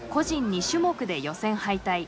２種目で予選敗退。